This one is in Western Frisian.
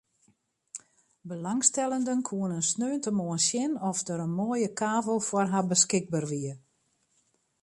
Belangstellenden koene sneontemoarn sjen oft der in moaie kavel foar har beskikber wie.